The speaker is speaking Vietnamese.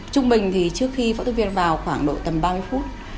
trung bình thì trước khi phẫu thuật viên vào khoảng độ tầm ba mươi phút